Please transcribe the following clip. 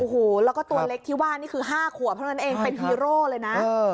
โอ้โหแล้วก็ตัวเล็กที่ว่านี่คือ๕ขวบเท่านั้นเองเป็นฮีโร่เลยนะ